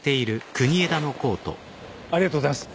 ありがとうございます。